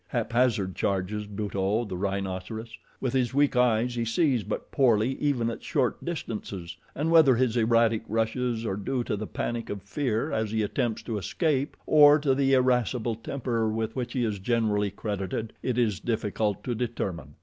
Haphazard charges Buto, the rhinoceros. With his weak eyes he sees but poorly even at short distances, and whether his erratic rushes are due to the panic of fear as he attempts to escape, or to the irascible temper with which he is generally credited, it is difficult to determine.